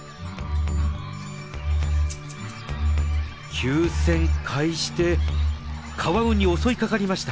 急旋回してカワウに襲いかかりました。